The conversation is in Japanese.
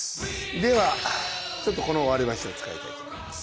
ではちょっとこの割りばしを使いたいと思います。